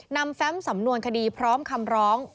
แฟมสำนวนคดีพร้อมคำร้อง